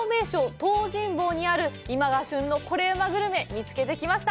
東尋坊にある今が旬のコレうまグルメ、見つけてきました。